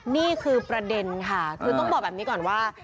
นี่คือประเด็นค่ะคือต้องบอกแบบนี้ก่อนว่า